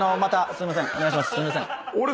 すいません。